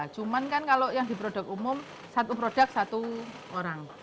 cuman kan kalau yang di produk umum satu produk satu orang